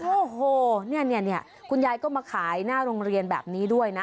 โอ้โหเนี่ยคุณยายก็มาขายหน้าโรงเรียนแบบนี้ด้วยนะ